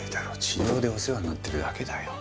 治療でお世話になってるだけだよ。